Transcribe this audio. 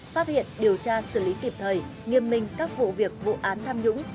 phát hiện điều tra xử lý kịp thời nghiêm minh các vụ việc vụ án tham nhũng